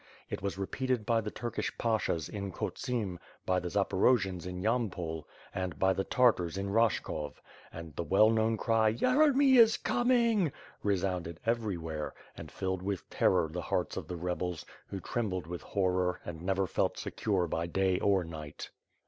It was repeated by the Turkish pashas in Khotsim, by the Zaporojians in Yam pol, and by the Tartars in Rashkov; and the well knowTi cry "Yeremy is coming!" resounded everywhere, and filled with terror the hearts of the rebels, who trembled with horror, and never felt secure by day or night. WITH FIRS AND SWORD.